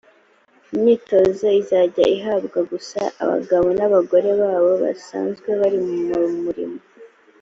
imyitozo izajya ihabwa gusa abagabo n abagore babo basanzwe bari mu murimo